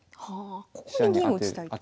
ここに銀を打ちたい。